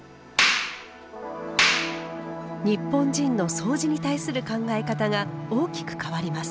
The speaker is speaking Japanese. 日本人のそうじに対する考え方が大きく変わります。